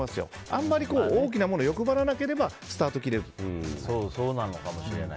あんまり大きなものをって欲張らなければいいスタートを切れる。